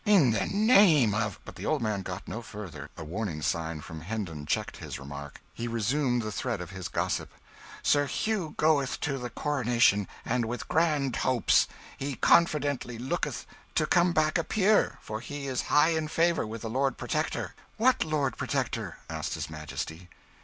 "In the name of " But the old man got no further a warning sign from Hendon checked his remark. He resumed the thread of his gossip "Sir Hugh goeth to the coronation and with grand hopes. He confidently looketh to come back a peer, for he is high in favour with the Lord Protector." "What Lord Protector?" asked his Majesty.